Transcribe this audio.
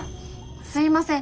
すいません。